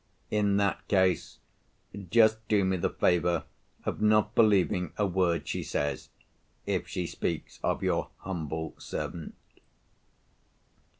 In that case, just do me the favour of not believing a word she says, if she speaks of your humble servant.